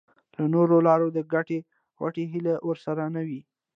له نورو لارو د ګټې وټې هیله ورسره نه وي.